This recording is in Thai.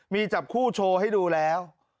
มีจับคู่โชว์ให้ดูแล้ว